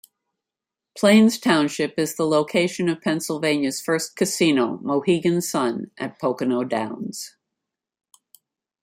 Plains Township is the location of Pennsylvania's first casino, Mohegan Sun at Pocono Downs.